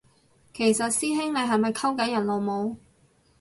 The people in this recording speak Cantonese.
其實師兄你係咪溝緊人老母？